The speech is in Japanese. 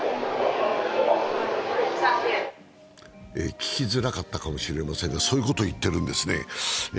聞きづらかったかもしれませんが、そういうことを言っているんですね。